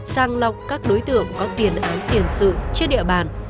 sang lọc các đối tượng có tiền án tiền sự trên địa bàn